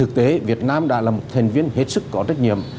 thực tế việt nam đã là một thành viên hết sức có trách nhiệm